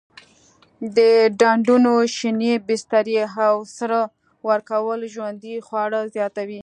د ډنډونو شینې بسترې او سره ورکول ژوندي خواړه زیاتوي.